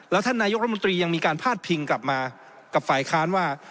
แล้วท่านนายกรัฐมนตรียังมีการพาดพิงกลับมากับฝ่ายค้านว่า